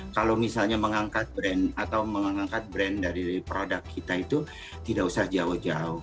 kalau misalnya mengangkat brand atau mengangkat brand dari produk kita itu tidak usah jauh jauh